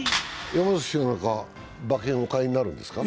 山崎さんは馬券をお買いになるんですか。